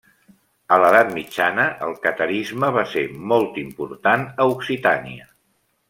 A l'edat mitjana el catarisme va ser molt important a Occitània.